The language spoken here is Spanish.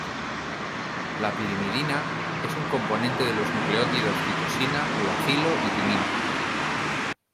La pirimidina es un componente de los nucleótidos citosina, uracilo y timina.